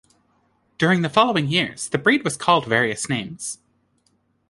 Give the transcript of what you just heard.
During the following years the breed was called various names.